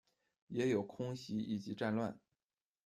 也有空袭以及战乱